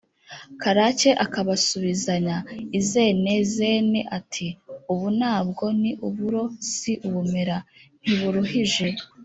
karake akabasubizanya izenezene, ati: “ubu na bwo ni uburo si ubumera?”(ntiburuhije)